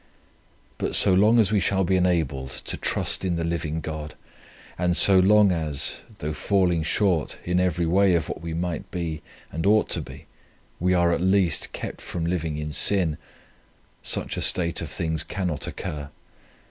But so long as we shall be enabled to trust in the living God, and so long as, though falling short in every way of what we might be, and ought to be, we are at least kept from living in sin, such a state of things cannot occur.